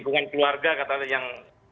keluarga katanya yang